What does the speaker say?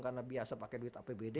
karena biasa pakai duit apbd